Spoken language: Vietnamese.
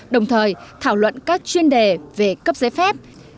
đồng thời thảo luận các chuyên đề về cấp giấy phép